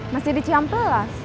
masih di ciampelas